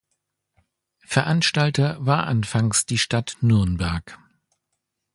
Veranstalter war anfangs die Stadt Nürnberg.